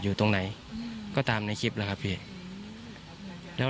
รู้จักกับผู้ก่อหรือไม่ได้กลัว